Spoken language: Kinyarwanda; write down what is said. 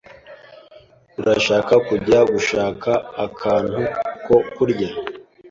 Urashaka kujya gushaka akantu ko kurya?